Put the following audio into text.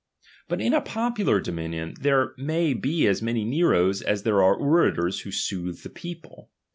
But in a popular *lomiuion, there may be as many Neros as there a. r e orators who soothe \h^ people.